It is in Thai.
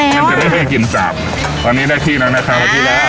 มาแล้วอ่ะจะได้ไม่มีกลิ่นสาบอันนี้ได้ที่นั้นนะคะอ่า